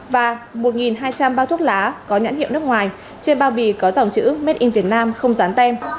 và một hai trăm linh bao thuốc lá có nhãn hiệu nước ngoài trên bao bì có dòng chữ made in vietnam không dán tem